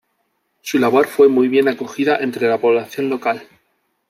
Su labor fue muy bien acogida entre la población local.